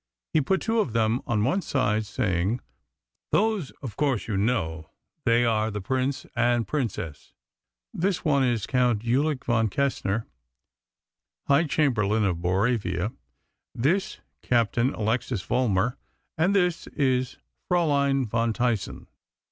He put two of them on one side, saying: "Those, of course, you know; they are the Prince and Princess. This one is Count Ulik von Kessner, High Chamberlain of Boravia; this, Captain Alexis Vollmar; and this is Fraülein von Tyssen."